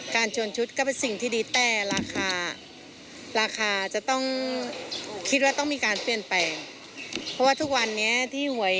การชนชุดก็เป็นสิ่งที่ดีแต่ราคาราคาจะต้องคิดว่าต้องมีการเปลี่ยนแปลง